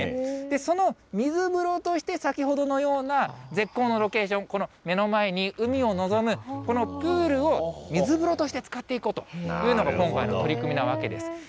その水風呂として先ほどのような絶好のロケーション、目の前に海を臨む、このプールを水風呂として使っていこうというのが今回の取り組みなわけです。